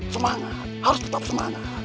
semangat harus tetap semangat